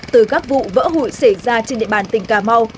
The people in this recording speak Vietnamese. từ các vụ vỡ hụi xảy ra trên địa bàn tỉnh cà mau